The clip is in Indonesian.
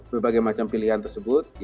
berbagai macam pilihan tersebut